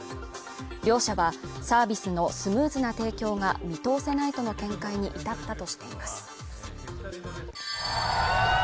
両社はサービスのスムーズな提供が見通せないとの見解に至ったとしています。